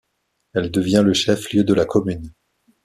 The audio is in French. Elle devient le chef-lieu de la commune.